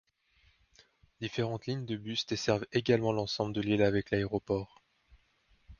Différentes lignes de bus desservent également l'ensemble de l'île avec l'aéroport.